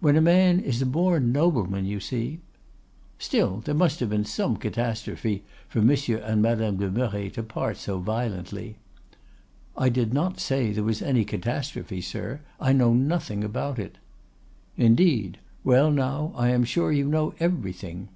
When a man is a born nobleman, you see——' "'Still, there must have been some catastrophe for Monsieur and Madame de Merret to part so violently?' "'I did not say there was any catastrophe, sir. I know nothing about it.' "'Indeed. Well, now, I am sure you know everything.